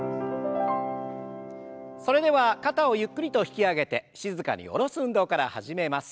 それでは肩をゆっくりと引き上げて静かに下ろす運動から始めます。